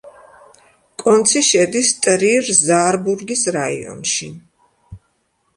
კონცი შედის ტრირ-ზაარბურგის რაიონში.